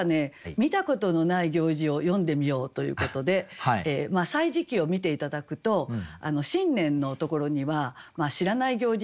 見たことのない行事を詠んでみようということで「歳時記」を見て頂くと新年のところには知らない行事